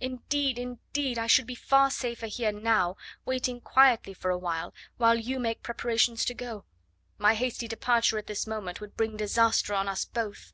Indeed, indeed, I should be far safer here now, waiting quietly for awhile, while you make preparations to go... My hasty departure at this moment would bring disaster on us both."